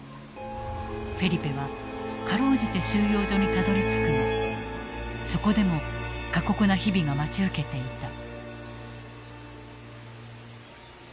フェリペは辛うじて収容所にたどりつくがそこでも過酷な日々が待ち受けていた。